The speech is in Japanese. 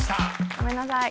ごめんなさい。